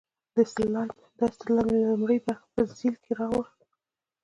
دا استدلال مې د لومړۍ برخې په ذیل کې راوړ.